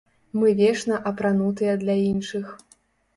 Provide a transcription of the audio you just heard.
Мы вечна апранутыя для іншых.